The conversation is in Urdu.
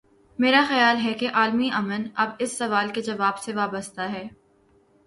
میرا خیال ہے کہ عالمی ا من اب اس سوال کے جواب سے وابستہ ہے۔